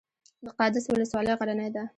د قادس ولسوالۍ غرنۍ ده